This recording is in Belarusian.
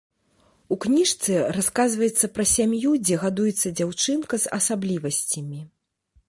У кніжцы расказваецца пра сям'ю, дзе гадуецца дзяўчынка з асаблівасцямі.